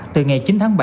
từ ngày chín tháng bảy